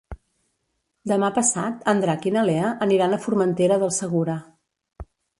Demà passat en Drac i na Lea aniran a Formentera del Segura.